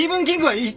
はい。